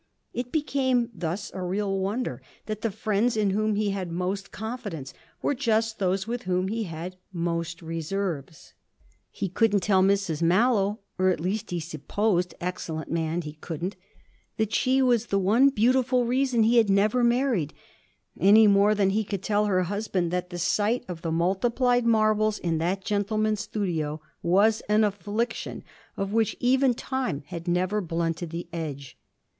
It became thus a real wonder that the friends in whom he had most confidence were just those with whom he had most reserves. He couldn't tell Mrs Mallow or at least he supposed, excellent man, he couldn't that she was the one beautiful reason he had never married; any more than he could tell her husband that the sight of the multiplied marbles in that gentleman's studio was an affliction of which even time had never blunted the edge.